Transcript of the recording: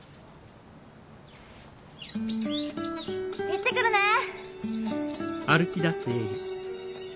行ってくるねえ。